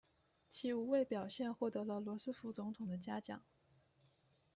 其无畏表现获得了罗斯福总统的嘉奖。